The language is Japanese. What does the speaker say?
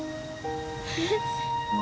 えっ？